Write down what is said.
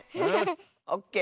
オッケー。